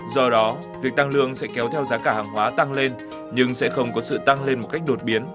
do đó việc tăng lương sẽ kéo theo giá cả hàng hóa tăng lên nhưng sẽ không có sự tăng lên một cách đột biến